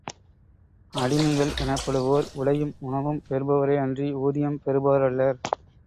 அடிமைகள் எனப்படுவோர் உடையும் உணவும் பெறுபவரே அன்றி ஊதியம் பெறுபவரல்லர்.